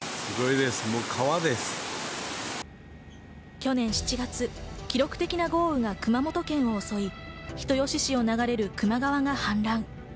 去年７月、記録的な豪雨が熊本県を襲い人吉市を流れる球磨川が氾濫。